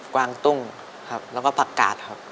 วางตุ้งครับแล้วก็ผักกาดครับ